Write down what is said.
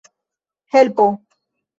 helpo